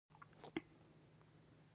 دوی د ملي ګټو خبرې یوازې شعار دي.